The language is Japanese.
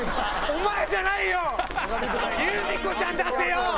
お前じゃないよ！